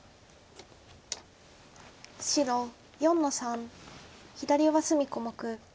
白４の三左上隅小目。